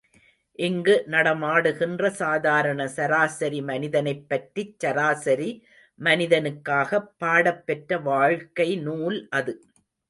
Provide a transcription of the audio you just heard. இங்கு நடமாடுகின்ற சாதாரண சராசரி மனிதனைப் பற்றிச் சராசரி மனிதனுக்காகப் பாடப்பெற்ற வாழ்க்கை நூல் அது.